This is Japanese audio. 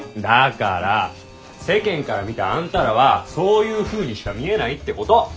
だから世間から見たあんたらはそういうふうにしか見えないってこと。